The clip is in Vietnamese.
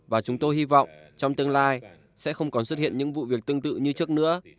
và chúng tôi hy vọng trong tương lai sẽ không còn xuất hiện những vụ việc tương tự như trước nữa